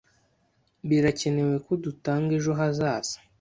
Birakenewe ko dutanga ejo hazaza.